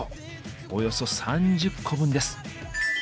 およそ３０個分です。